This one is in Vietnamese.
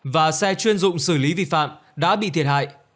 và xe chuyên dụng xử lý vi phạm đã bị thiệt hại